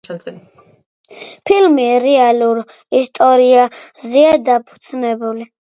ფილმი რეალურ ისტორიაზეა დაფუძნებული.